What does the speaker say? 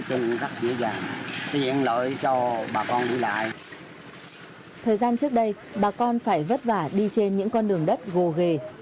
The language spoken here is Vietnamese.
thời gian trước đây bà con phải vất vả đi trên những con đường đất gồ ghề